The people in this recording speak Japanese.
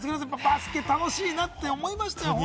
バスケ楽しいなって思いましたよ。